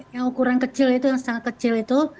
yang ukuran kecil itu yang sangat kecil itu